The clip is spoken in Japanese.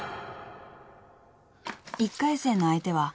［１回戦の相手は］